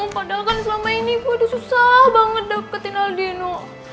padahal kan selama ini ibu udah susah banget dapetin aldino